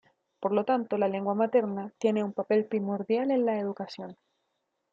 Por lo tanto, la lengua materna tiene un papel primordial en la educación.